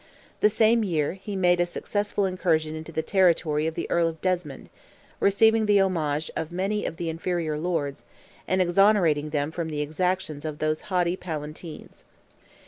The same year, he made a successful incursion into the territory of the Earl of Desmond, receiving the homage of many of the inferior lords, and exonerating them from the exactions of those haughty Palatines.